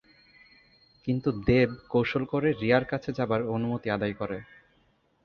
কিন্তু "দেব" কৌশল করে "রিয়া"র কাছে যাবার অনুমতি আদায় করে।